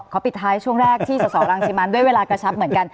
ปิดท้ายช่วงแรกที่สสรังสิมันด้วยเวลากระชับเหมือนกัน